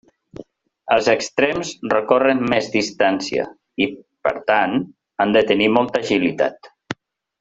Els extrems recorren més distància i, per tant, han de tenir molta agilitat.